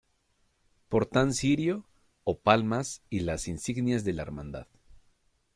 Portan cirio o palmas y las insignias de la Hermandad.